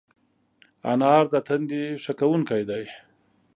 انار د تندي ښه کوونکی دی.